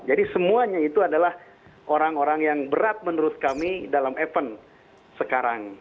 jadi semuanya itu adalah orang orang yang berat menurut kami dalam event sekarang